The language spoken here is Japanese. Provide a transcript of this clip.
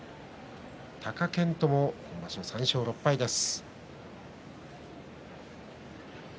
貴健斗も今場所３勝６敗です。